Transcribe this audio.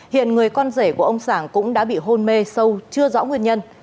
hiện người con rể của ông sảng cũng đã bị hôn mê sâu chưa rõ nguyên nhân